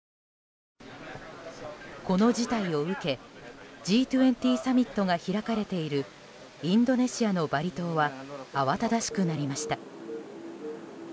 この事態を受けＧ２０サミットが開かれているインドネシアのバリ島はあわただしくなりました。